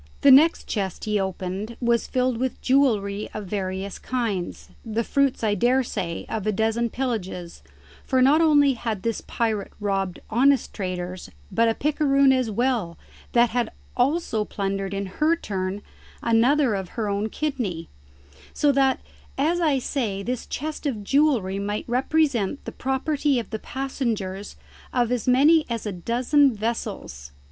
The next chest he opened was filled with jewellery of various kinds, the fruits, I daresay, of a dozen pillages, for not only had this pirate robbed honest traders but a picaroon as well that had also plundered in her turn another of her own kidney; so that, as I say, this chest of jewellery might represent the property of the passengers of as many as a dozen vessels.